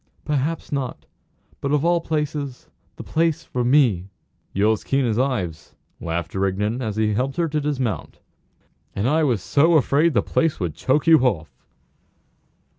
"Perhaps not. But, of all places, the place for me!" "You're as keen as Ives," laughed Rigden as he helped her to dismount. "And I was so afraid the place would choke you off!"